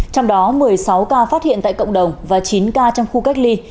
trong đó một mươi sáu ca phát hiện tại cộng đồng và chín ca trong khu cách ly